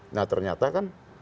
nah ternyata kan